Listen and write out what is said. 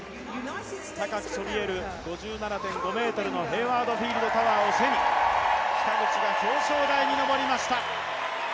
高くそびえる５７．５ｍのヘイワード・フィールドタワーを背に北口が表彰台に上りました。